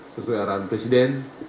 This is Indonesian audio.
sesuai arahan presiden